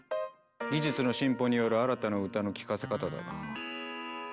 技術の進歩による新たな歌の聞かせ方だな。